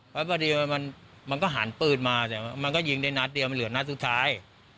แล้วพอดีมันก็หันปืนมาแต่มันก็ยิงได้นัดเดียวมันเหลือนัดสุดท้าย